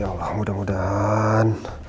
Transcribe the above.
ya allah mudah mudahan